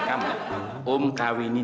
nah om rugi